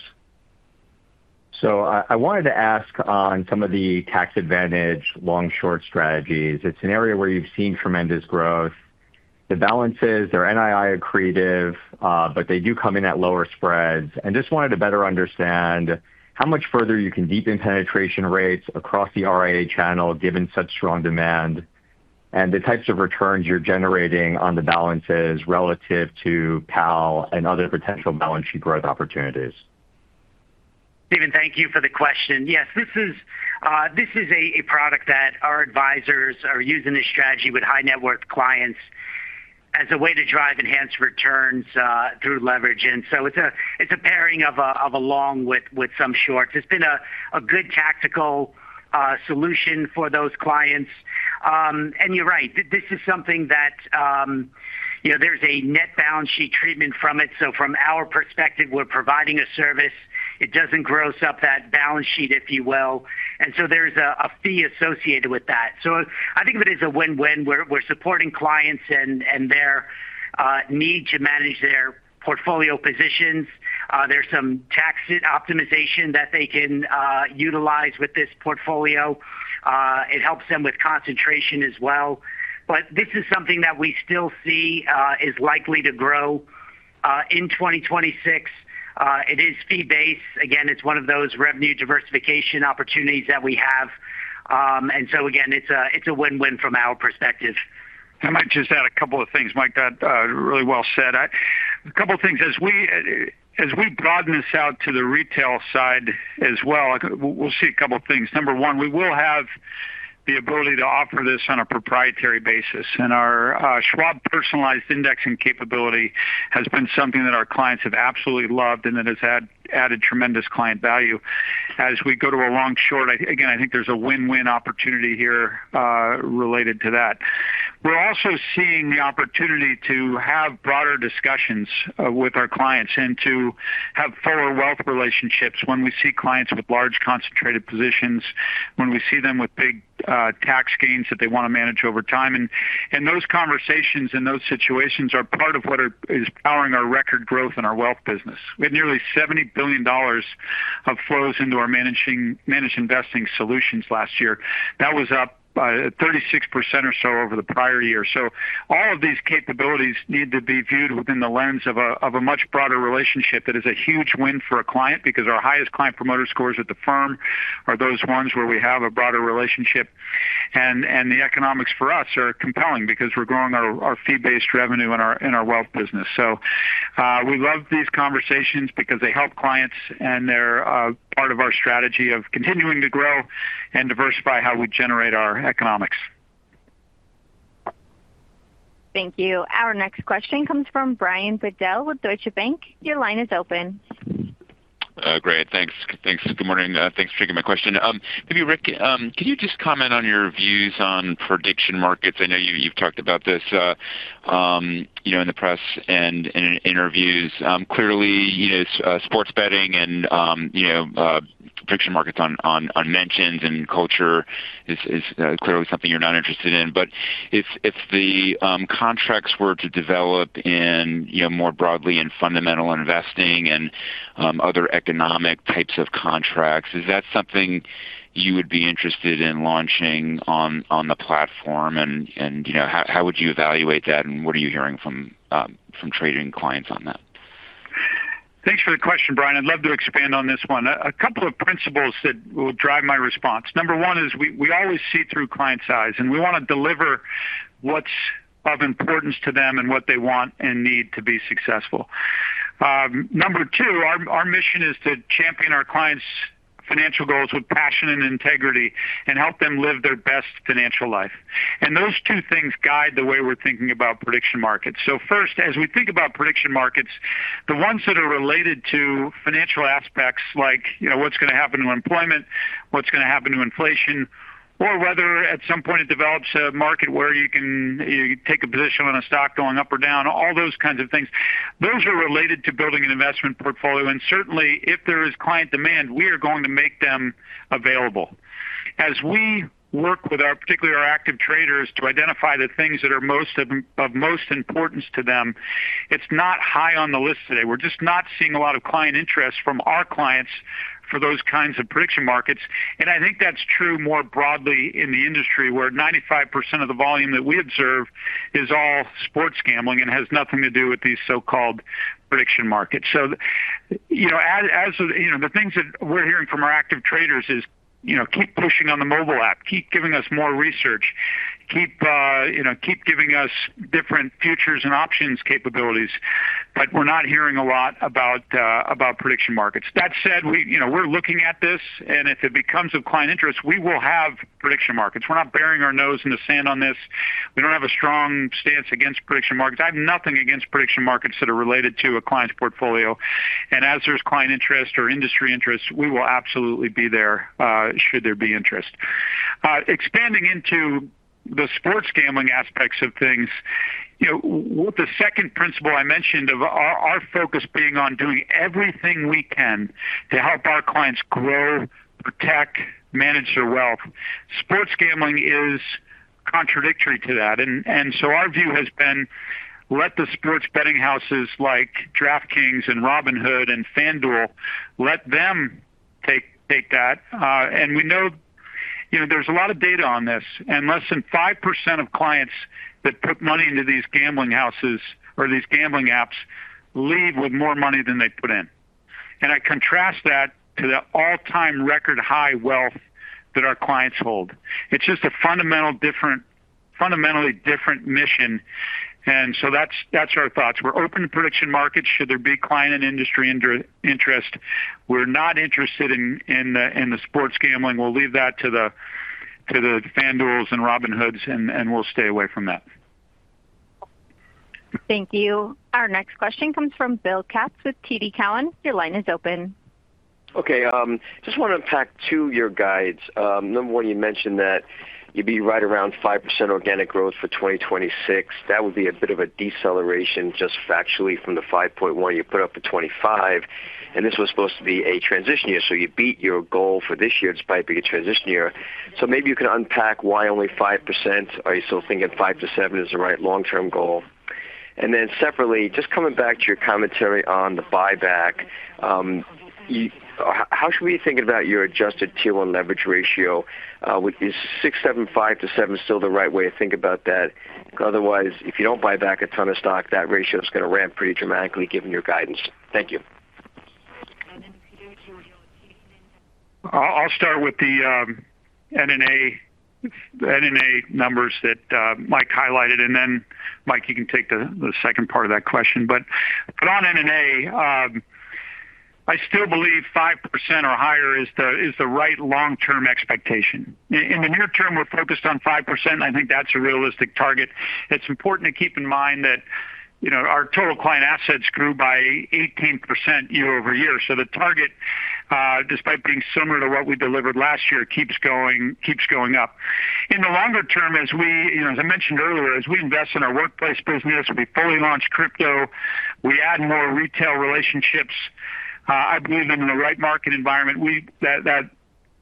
So I wanted to ask on some of the tax-advantaged long-short strategies. It's an area where you've seen tremendous growth. The balances, their NII are accretive, but they do come in at lower spreads. And just wanted to better understand how much further you can deepen penetration rates across the RIA channel given such strong demand and the types of returns you're generating on the balances relative to PAL and other potential balance sheet growth opportunities. Steven, thank you for the question. Yes, this is a product that our advisors are using this strategy with high-net-worth clients as a way to drive enhanced returns through leverage. And so it's a pairing of a long with some shorts. It's been a good tactical solution for those clients. And you're right. This is something that there's a net balance sheet treatment from it. So from our perspective, we're providing a service. It doesn't gross up that balance sheet, if you will. And so there's a fee associated with that. So I think of it as a win-win. We're supporting clients and their need to manage their portfolio positions. There's some tax optimization that they can utilize with this portfolio. It helps them with concentration as well. But this is something that we still see is likely to grow in 2026. It is fee-based. Again, it's one of those revenue diversification opportunities that we have. And so, again, it's a win-win from our perspective. I might just add a couple of things. Mike, that was really well said. A couple of things. As we broaden this out to the retail side as well, we'll see a couple of things. Number one, we will have the ability to offer this on a proprietary basis. Our Schwab Personalized Indexing capability has been something that our clients have absolutely loved and that has added tremendous client value. As we go to a long-short, again, I think there's a win-win opportunity here related to that. We're also seeing the opportunity to have broader discussions with our clients and to have fuller wealth relationships when we see clients with large concentrated positions, when we see them with big tax gains that they want to manage over time. Those conversations and those situations are part of what is powering our record growth in our wealth business. We had nearly $70 billion of flows into our managed investing solutions last year. That was up 36% or so over the prior year. So all of these capabilities need to be viewed within the lens of a much broader relationship that is a huge win for a client because our highest client promoter scores at the firm are those ones where we have a broader relationship. And the economics for us are compelling because we're growing our fee-based revenue in our wealth business. So we love these conversations because they help clients, and they're part of our strategy of continuing to grow and diversify how we generate our economics. Thank you. Our next question comes from Brian Bedell with Deutsche Bank. Your line is open. Great. Thanks. Good morning. Thanks for taking my question. Maybe, Rick, can you just comment on your views on prediction markets? I know you've talked about this in the press and in interviews. Clearly, sports betting and prediction markets on elections and culture is clearly something you're not interested in. But if the contracts were to develop more broadly in fundamental investing and other economic types of contracts, is that something you would be interested in launching on the platform? And how would you evaluate that, and what are you hearing from trading clients on that? Thanks for the question, Brian. I'd love to expand on this one. A couple of principles that will drive my response. Number one is we always see things Through Clients' Eyes, and we want to deliver what's of importance to them and what they want and need to be successful. Number two, our mission is to champion our clients' financial goals with passion and integrity and help them live their best financial life, and those two things guide the way we're thinking about prediction markets. So first, as we think about prediction markets, the ones that are related to financial aspects like what's going to happen to employment, what's going to happen to inflation, or whether at some point it develops a market where you can take a position on a stock going up or down, all those kinds of things, those are related to building an investment portfolio. And certainly, if there is client demand, we are going to make them available. As we work with particularly our active traders to identify the things that are of most importance to them, it's not high on the list today. We're just not seeing a lot of client interest from our clients for those kinds of prediction markets. I think that's true more broadly in the industry where 95% of the volume that we observe is all sports gambling and has nothing to do with these so-called prediction markets. So the things that we're hearing from our active traders is keep pushing on the mobile app, keep giving us more research, keep giving us different futures and options capabilities, but we're not hearing a lot about prediction markets. That said, we're looking at this, and if it becomes of client interest, we will have prediction markets. We're not burying our nose in the sand on this. We don't have a strong stance against prediction markets. I have nothing against prediction markets that are related to a client's portfolio. And as there's client interest or industry interest, we will absolutely be there should there be interest. Expanding into the sports gambling aspects of things, the second principle I mentioned of our focus being on doing everything we can to help our clients grow, protect, manage their wealth. Sports gambling is contradictory to that. And so our view has been let the sports betting houses like DraftKings and Robinhood and FanDuel let them take that. And we know there's a lot of data on this. And less than 5% of clients that put money into these gambling houses or these gambling apps leave with more money than they put in. And I contrast that to the all-time record high wealth that our clients hold. It's just a fundamentally different mission. And so that's our thoughts. We're open to prediction markets should there be client and industry interest. We're not interested in the sports gambling. We'll leave that to the FanDuels and Robinhoods, and we'll stay away from that. Thank you. Our next question comes from Bill Katz with TD Cowen. Your line is open. Okay. Just want to unpack two of your guides. Number one, you mentioned that you'd be right around 5% organic growth for 2026. That would be a bit of a deceleration just factually from the 5.1% you put up for 2025. And this was supposed to be a transition year. So you beat your goal for this year despite being a transition year. So maybe you can unpack why only 5%. Are you still thinking 5%-7% is the right long-term goal? And then separately, just coming back to your commentary on the buyback, how should we be thinking about your adjusted Tier 1 leverage ratio? Is 6.75%-7% still the right way to think about that? Otherwise, if you don't buy back a ton of stock, that ratio is going to ramp pretty dramatically given your guidance. Thank you. I'll start with the NNA numbers that Mike highlighted. And then, Mike, you can take the second part of that question. But on NNA, I still believe 5% or higher is the right long-term expectation. In the near term, we're focused on 5%, and I think that's a realistic target. It's important to keep in mind that our total client assets grew by 18% year-over-year. So the target, despite being similar to what we delivered last year, keeps going up. In the longer term, as I mentioned earlier, as we invest in our workplace business, we fully launch crypto, we add more retail relationships. I believe in the right market environment, that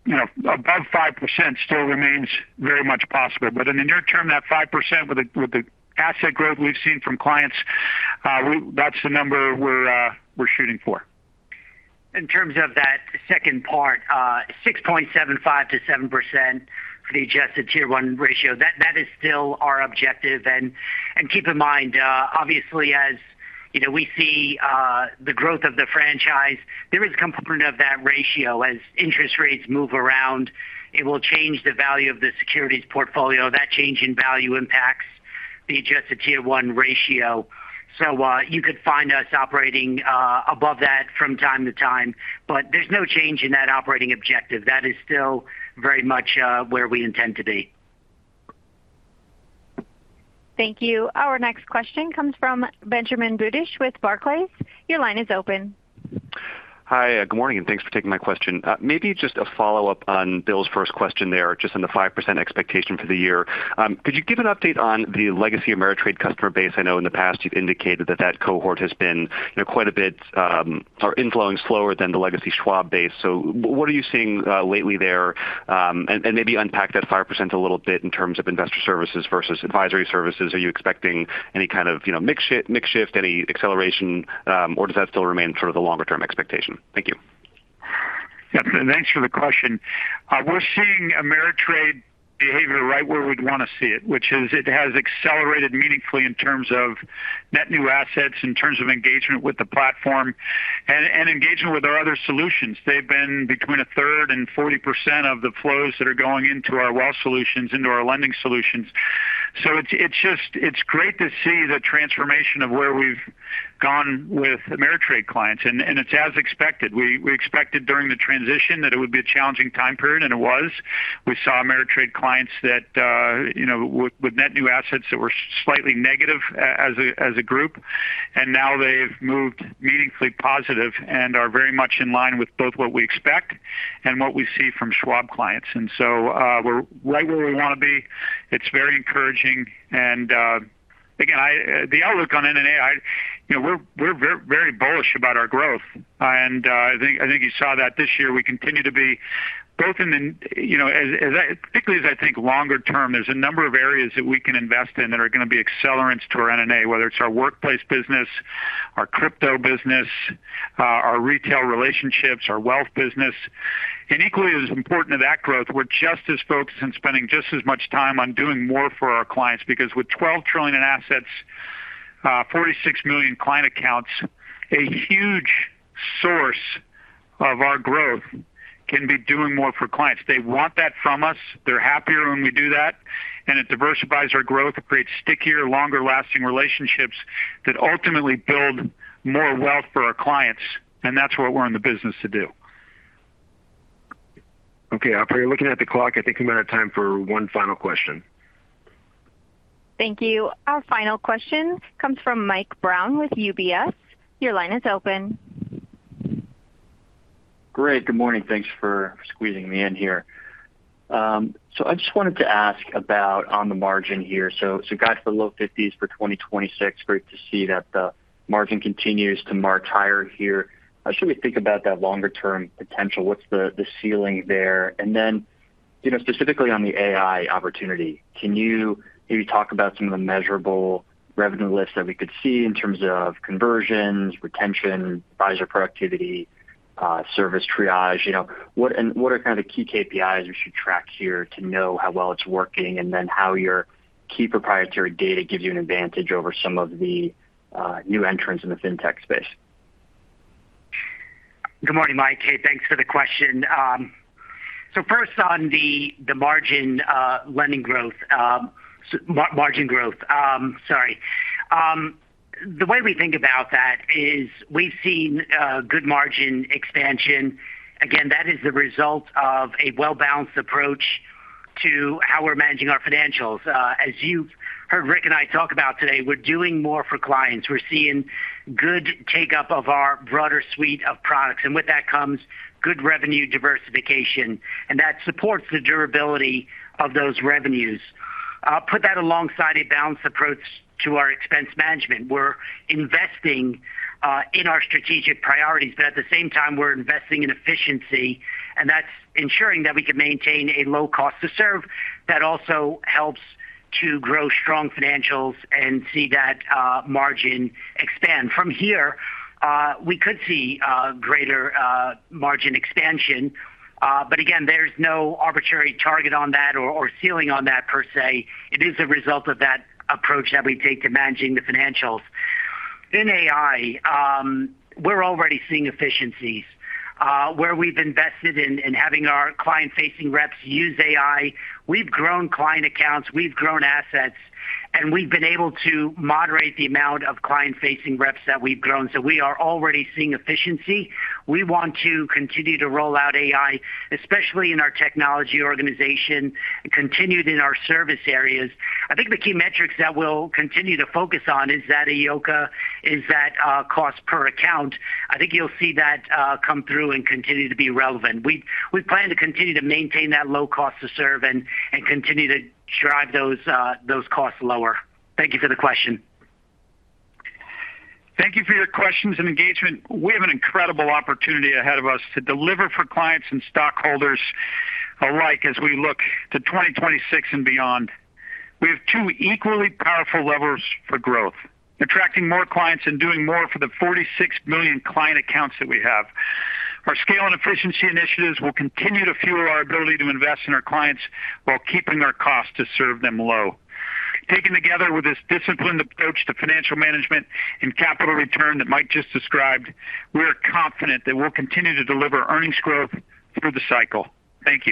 above 5% still remains very much possible. But in the near term, that 5% with the asset growth we've seen from clients, that's the number we're shooting for. In terms of that second part, 6.75%-7% for the adjusted Tier 1 ratio, that is still our objective. And keep in mind, obviously, as we see the growth of the franchise, there is a component of that ratio. As interest rates move around, it will change the value of the securities portfolio. That change in value impacts the adjusted Tier 1 ratio. So you could find us operating above that from time to time. But there's no change in that operating objective. That is still very much where we intend to be. Thank you. Our next question comes from Benjamin Budish with Barclays. Your line is open. Hi, good morning, and thanks for taking my question. Maybe just a follow-up on Bill's first question there, just on the 5% expectation for the year. Could you give an update on the legacy Ameritrade customer base? I know in the past you've indicated that that cohort has been quite a bit of inflowing slower than the legacy Schwab base. So what are you seeing lately there? And maybe unpack that 5% a little bit in terms of Investor Services versus advisory services. Are you expecting any kind of makeup, any acceleration, or does that still remain sort of the longer-term expectation? Thank you. Yep. Thanks for the question. We're seeing Ameritrade behavior right where we'd want to see it, which is it has accelerated meaningfully in terms of net new assets, in terms of engagement with the platform, and engagement with our other solutions. They've been between a third and 40% of the flows that are going into our wealth solutions, into our lending solutions. So it's great to see the transformation of where we've gone with Ameritrade clients. And it's as expected. We expected during the transition that it would be a challenging time period, and it was. We saw Ameritrade clients that with net new assets that were slightly negative as a group, and now they've moved meaningfully positive and are very much in line with both what we expect and what we see from Schwab clients. And so we're right where we want to be. It's very encouraging. And again, the outlook on NNA, we're very bullish about our growth. And I think you saw that this year. We continue to be bold, particularly, as I think, in the longer term, there's a number of areas that we can invest in that are going to be accelerants to our NNA, whether it's our workplace business, our crypto business, our retail relationships, our wealth business, and equally, it is important to that growth. We're just as focused on spending just as much time on doing more for our clients because with $12 trillion in assets, 46 million client accounts, a huge source of our growth can be doing more for clients. They want that from us. They're happier when we do that, and it diversifies our growth. It creates stickier, longer-lasting relationships that ultimately build more wealth for our clients, and that's what we're in the business to do. Okay. You're looking at the clock. I think we're out of time for one final question. Thank you. Our final question comes from Mike Brown with UBS. Your line is open. Great. Good morning. Thanks for squeezing me in here. So I just wanted to ask about on the margin here. So guys for low 50s for 2026, great to see that the margin continues to march higher here. How should we think about that longer-term potential? What's the ceiling there? And then specifically on the AI opportunity, can you maybe talk about some of the measurable revenue lifts that we could see in terms of conversions, retention, advisor productivity, service triage? What are kind of the key KPIs we should track here to know how well it's working and then how your key proprietary data gives you an advantage over some of the new entrants in the fintech space? Good morning, Mike. Hey, thanks for the question. So first, on the margin lending growth, margin growth, sorry. The way we think about that is we've seen good margin expansion. Again, that is the result of a well-balanced approach to how we're managing our financials. As you've heard Rick and I talk about today, we're doing more for clients. We're seeing good take-up of our broader suite of products. And with that comes good revenue diversification. And that supports the durability of those revenues. I'll put that alongside a balanced approach to our expense management. We're investing in our strategic priorities, but at the same time, we're investing in efficiency. And that's ensuring that we can maintain a low cost to serve that also helps to grow strong financials and see that margin expand. From here, we could see greater margin expansion. But again, there's no arbitrary target on that or ceiling on that per se. It is a result of that approach that we take to managing the financials. In AI, we're already seeing efficiencies where we've invested in having our client-facing reps use AI. We've grown client accounts. We've grown assets. And we've been able to moderate the amount of client-facing reps that we've grown. So we are already seeing efficiency. We want to continue to roll out AI, especially in our technology organization, continued in our service areas. I think the key metrics that we'll continue to focus on is that of EOCA, is that cost per account. I think you'll see that come through and continue to be relevant. We plan to continue to maintain that low cost to serve and continue to drive those costs lower. Thank you for the question. Thank you for your questions and engagement. We have an incredible opportunity ahead of us to deliver for clients and stockholders alike as we look to 2026 and beyond. We have two equally powerful levers for growth, attracting more clients and doing more for the 46 million client accounts that we have. Our scale and efficiency initiatives will continue to fuel our ability to invest in our clients while keeping our cost to serve them low. Taken together with this disciplined approach to financial management and capital return that Mike just described, we are confident that we'll continue to deliver earnings growth through the cycle. Thank you.